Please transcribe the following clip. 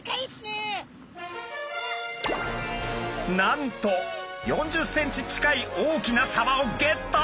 なんと４０センチ近い大きなサバをゲット。